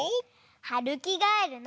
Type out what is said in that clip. はるきがえるの。